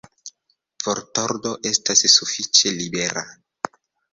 Vortordo estas sufiĉe libera.